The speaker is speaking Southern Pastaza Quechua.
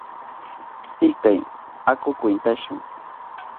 Sikay, aku kwintashu.